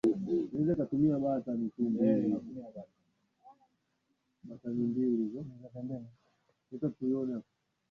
Bwana hunificha mafichoni mwake,